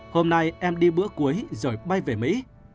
hôm nay em đi bữa cuối rồi bay về mỹ